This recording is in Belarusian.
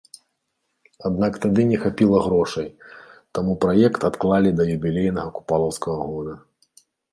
Аднак тады не хапіла грошай, таму праект адклалі да юбілейнага купалаўскага года.